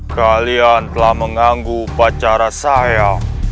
kalian telah mengganggu pacara saya